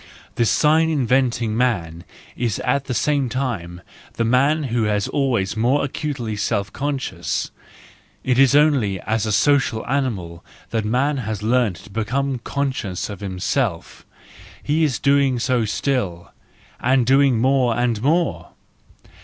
The sign inventing man is at the same time the man who is always more acutely self conscious ; it is only as a social animal that man has learned to become conscious of himself,—he is doing so still, and doing so more and more.